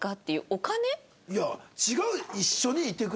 いや違う。